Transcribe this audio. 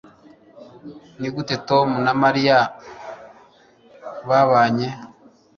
Nigute Tom na Mariya babanye